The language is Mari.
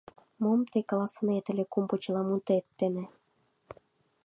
Мом тый каласынет ыле кум почеламутет дене?